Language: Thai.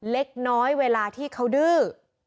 เล็กน้อยเวลาที่เขาดื้อ